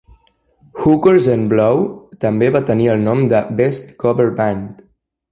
Hookers N' Blow també va tenir el nom de Best Cover Band.